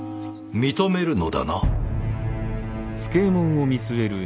認めるのだな？